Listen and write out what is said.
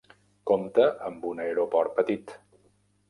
Compta amb un aeroport petit.